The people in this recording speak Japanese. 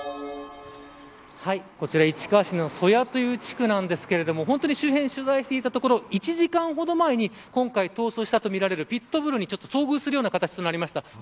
こちら、市川市の曽谷という地区なんですが本当に周辺を取材していたところ１時間ほど前に今回逃走したとみられるピット・ブルに逃走する形となりました。